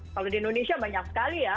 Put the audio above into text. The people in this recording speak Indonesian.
kalau di indonesia banyak sekali ya